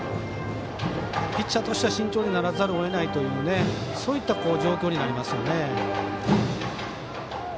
ピッチャーとしては慎重にならざるをえないというそういった状況になりますよね。